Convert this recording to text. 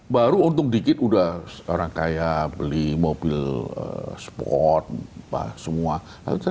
baru untung dikit udah orang kaya beli mobil sport semua